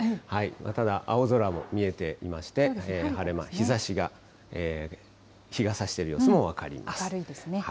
ただ、青空も見えていまして、晴れ間、日ざしが、日がさしている明るいですね。